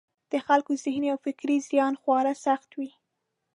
د خلکو ذهني او فکري زیان خورا سخت وي.